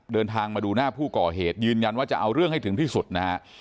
เดินทางมาดูหน้าผู้ก่อเหตุยืนยันว่าจะเอาเรื่องให้ถึงที่สุดนะฮะ